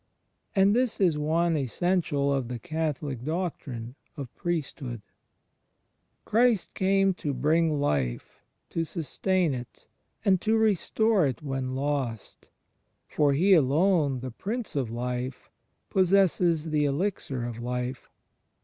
And this is one essential of the Catholic doctrine of Priesthood. Christ came to bring life, to sustain it, and to restore it when lost: for He alone, the Prince of Life, possesses the elixir of Life.